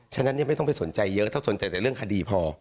ฉะนั้นยังไม่ต้องไปสนใจเยอะถ้าสนใจแต่เรื่องคดีพอ